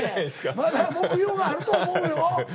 まだ目標があると思うよ。